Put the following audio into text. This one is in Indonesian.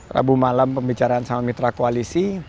rabu malam pembicaraan sama mitra koalisi